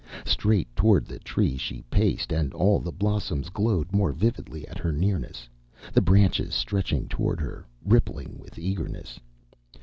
Straight toward the Tree she paced, and all the blossoms glowed more vividly at her nearness, the branches stretching toward her, rippling with eagerness.